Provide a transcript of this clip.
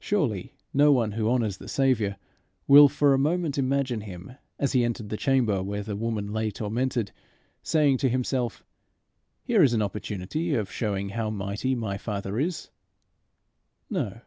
Surely, no one who honours the Saviour will for a moment imagine him, as he entered the chamber where the woman lay tormented, saying to himself, "Here is an opportunity of showing how mighty my Father is!" No.